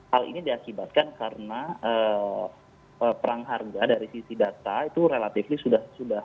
hal ini diakibatkan karena perang harga dari sisi data itu relatif sudah